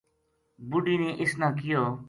بُڈھی نے اس نا کہیو